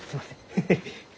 ヘヘッ。